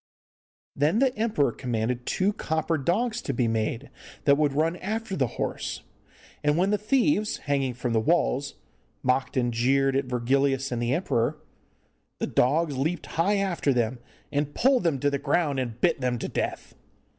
Then the emperor commanded two copper dogs to be made that would run after the horse, and when the thieves, hanging from the walls, mocked and jeered at Virgilius and the emperor, the dogs leaped high after them and pulled them to the ground, and bit them to death.